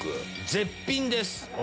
絶品です！